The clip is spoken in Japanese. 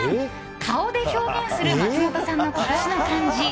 顔で表現する松本さんの今年の漢字。